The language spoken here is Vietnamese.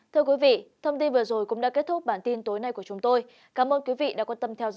thưa quý vị thông tin vừa rồi cũng đã kết thúc bản tin tối nay của chúng tôi cảm ơn quý vị đã quan tâm theo dõi